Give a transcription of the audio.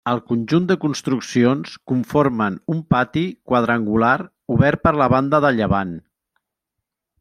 El conjunt de construccions conformen un pati quadrangular obert per la banda de llevant.